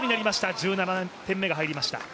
１７点目が入りました。